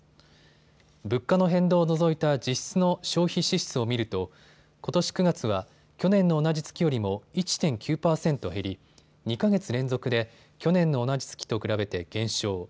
物価の変動を除いた実質の消費支出を見るとことし９月は去年の同じ月よりも１．９％減り、２か月連続で去年の同じ月と比べて減少。